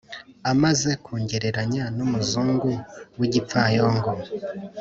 amaze kungereranya n'umuzungu w'igipfayongo,